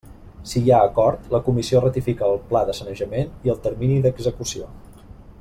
Si hi ha acord, la Comissió ratifica el pla de sanejament i el termini d'execució.